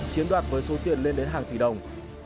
chiếm đoạt với số tiền lên đến hàng tỷ đồng